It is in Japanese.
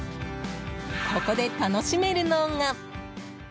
ここで楽しめるのが。